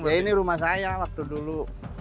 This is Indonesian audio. ya ini rumah saya waktu dulu